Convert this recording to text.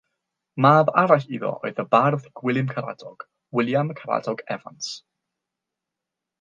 Mab arall iddo oedd y bardd Gwilym Caradog, William Caradog Evans.